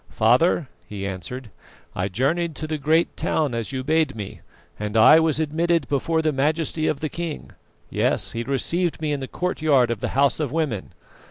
"Father," he answered, "I journeyed to the great town, as you bade me, and I was admitted before the majesty of the king; yes, he received me in the courtyard of the House of Women.